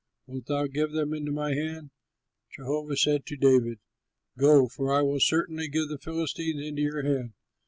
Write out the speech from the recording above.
Wilt thou give them into my hand?" Jehovah said to David, "Go; for I will certainly give the Philistines into your hand."